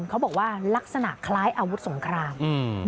เขาบอกว่าลักษณะคล้ายอาวุธสงคราม